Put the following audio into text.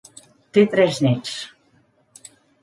Té tres néts.